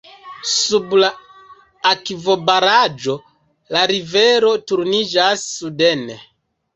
Sub la akvobaraĵo, la rivero turniĝas suden.